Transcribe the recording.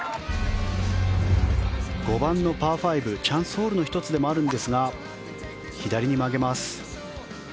５番のパー５チャンスホールの１つでもあるんですが左に曲げます。